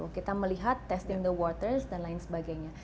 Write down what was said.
jadi kita lihat testing the water dan lain sebagainya